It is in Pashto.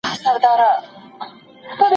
یوازې مرګ چاره نلري.